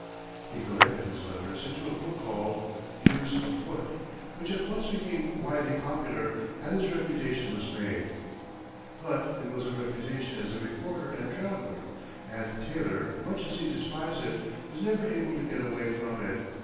He collected his letters into a book called "Views Afoot," which at once became widely popular, and his reputation was made. But it was a reputation as a reporter and traveller, and Taylor, much as he despised it, was never able to get away from it.